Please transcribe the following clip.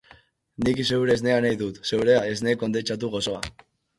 Nik zeure esnea nahi dut, zeurea, esne kondentsatu goxoa!